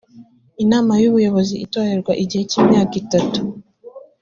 inama y ubuyobozi itorerwa igihe cy imyaka itatu